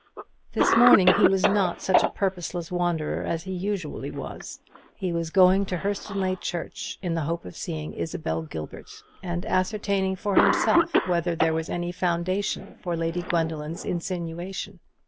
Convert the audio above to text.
This morning he was not such a purposeless wanderer as he usually was; he was going to Hurstonleigh church, in the hope of seeing Isabel Gilbert, and ascertaining for himself whether there was any foundation for Lady Gwendoline's insinuation.